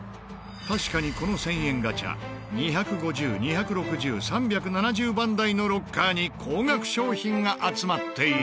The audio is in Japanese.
確かにこの１０００円ガチャ２５０２６０３７０番台のロッカーに高額商品が集まっている。